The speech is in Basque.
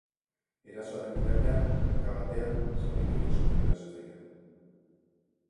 Erasoaren bitartean hanka batean zauritu egin zuten erasotzailea.